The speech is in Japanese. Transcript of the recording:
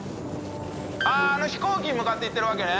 あっあの飛行機に向かって行ってるわけね。